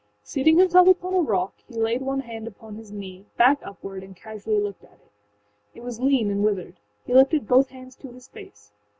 Seating himself upon a rock, he laid one hand upon his knee, back upward, and casually looked at it. It was lean and withered. He lifted both hands to his face.